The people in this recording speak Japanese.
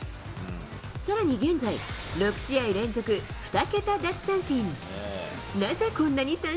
さらに現在、６試合連続２桁奪三振。